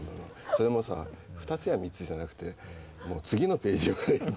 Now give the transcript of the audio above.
それもさ２つや３つじゃなくて次のページ。